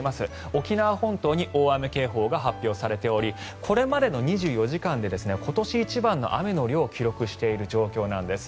沖縄本島に大雨警報が発表されておりこれまでの２４時間で今年一番の雨の量を記録している状況なんです。